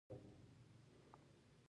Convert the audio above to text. ایا ستاسو سیالان انصاف کوي؟